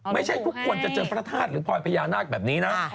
ไม่ใช่ทุกคนจะเจอพระธาตุหรือพลอยพญานาคแบบนี้นะ